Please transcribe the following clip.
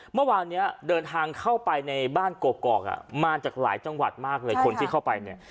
เมื่อวานเนี้ยเดินทางเข้าไปในบ้านกกอกอ่ะมาจากหลายจังหวัดมากเลยคนที่เข้าไปเนี่ย